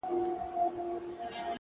وخت د بې پروایۍ حساب اخلي.!